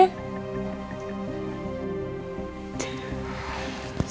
papa pasti pengen yang terbaik kan untuk anaknya